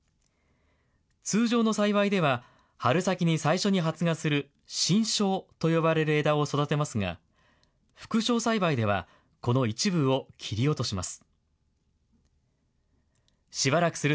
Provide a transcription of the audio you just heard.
通常の栽培では、春先に最初に発芽する新梢と呼ばれる枝を育てますが、副梢栽培では、この一部を切り落とします。